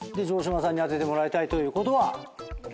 城島さんに当ててもらいたいということは。